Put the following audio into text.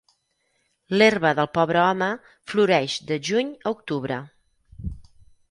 L'herba del pobre home floreix de juny a octubre.